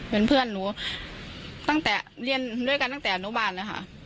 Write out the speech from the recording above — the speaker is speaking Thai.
เป็นเพื่อนหนูตั้งแต่เรียนด้วยกันตั้งแต่อนุบาลเลยค่ะ